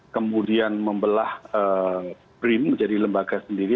kemudian membelah brin menjadi lembaga sendiri